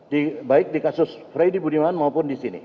di baik di kasus freddy budiman maupun di sini